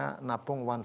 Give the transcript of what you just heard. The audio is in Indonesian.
tidak bisa diambil